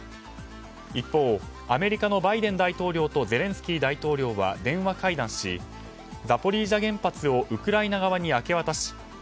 一方アメリカのバイデン大統領とゼレンスキー大統領は電話会談しザポリージャ原発をウクライナ側に受け渡し